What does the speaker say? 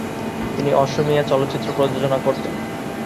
তিনি অসমীয়া চলচ্চিত্র প্রযোজনা করতেন।